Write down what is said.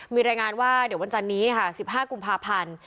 มีรายงานว่าเดี๋ยววันจันนี้ค่ะ๑๕กุมภาพันธ์